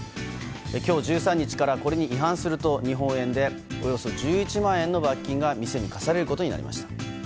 今日１３日からこれに違反すると日本円でおよそ１１万円の罰金が店に科されることになりました。